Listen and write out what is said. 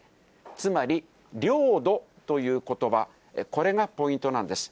つまり、領土ということば、これがポイントなんです。